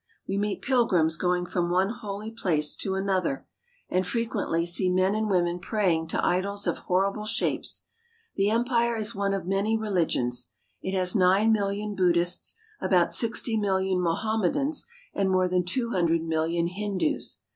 We meet pilgrims going from one holy place to another, and frequently see men and women praying to idols of horrible shapes. The empire is one of many reli gions. It has nine miUion Buddhists, about sixty million Mohammedans, and more than two hundred million Hindus.